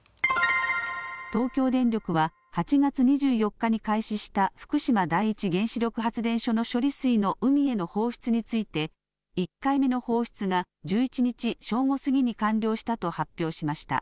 東京電力は８月２４日に開始した福島第一原子力発電所の処理水の海への放出について１回目の放出が１１日正午過ぎに完了したと発表しました。